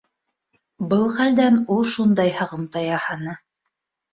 Был хәлдән ул шундай һығымта яһаны.